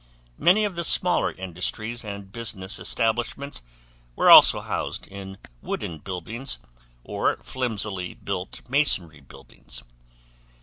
Many of the smaller industries and business establishments were also housed in wooden buildings or flimsily built masonry buildings.